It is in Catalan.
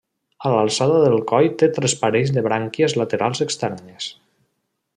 A l'alçada del coll té tres parells de brànquies laterals externes.